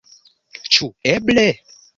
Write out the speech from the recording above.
Ĉu eble!